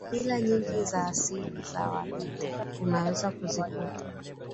Mila nyingi za asili za Wajita unaweza kuzikuta